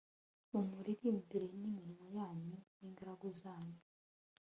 mumuririmbire n'iminwa yanyu n'inanga zanyu